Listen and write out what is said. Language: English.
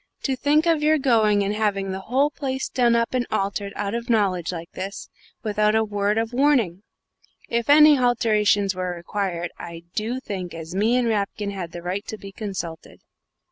To think of your going and having the whole place done up and altered out of knowledge like this, without a word of warning! If any halterations were required, I do think as me and Rapkin had the right to be consulted."